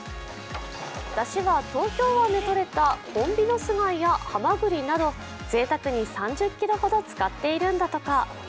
だしは東京湾でとれたホンビノス貝やハマグリなど、ぜいたくに３０ｋｇほど使っているんだとか。